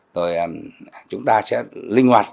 rồi chúng ta sẽ linh hoạt